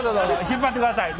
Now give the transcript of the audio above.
引っ張ってください。